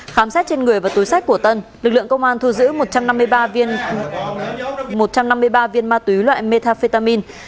khám xét trên người và túi sách của tân lực lượng công an thu giữ một trăm năm mươi ba viên ma túy loại metafetamin